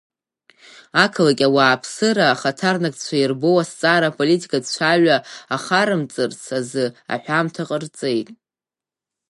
Ақалақь ауааԥсыра ахаҭарнакцәа иарбоу азҵаара аполитикатә цәаҩа ахарымҵарц азы аҳәамҭа ҟарҵеит.